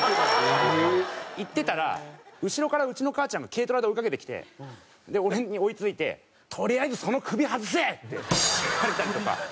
行ってたら後ろからうちの母ちゃんが軽トラで追いかけてきて俺に追い付いて「とりあえずその首外せ！！」って言われたりとか。